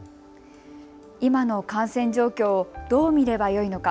今の感染状況をどう見ればよいのか。